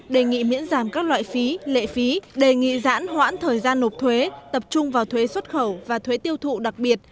đề nghị miễn giảm các loại phí lệ phí đề nghị giãn hoãn thời gian nộp thuế tập trung vào thuế xuất khẩu và thuế tiêu thụ đặc biệt